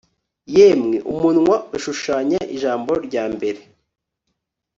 Yemwe umunwa ushushanya ijambo ryambere